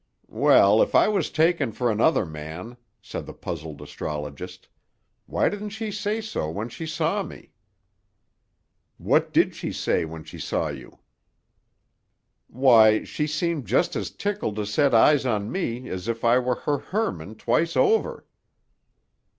"Well, if I was taken for another man," said the puzzled astrologist, "why didn't she say so when she saw me?" "What did she say when she saw you?" "Why, she seemed just as tickled to set eyes on me as if I were her Hermann twice over."